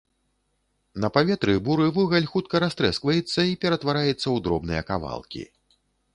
На паветры буры вугаль хутка растрэскваецца і ператвараецца ў дробныя кавалкі.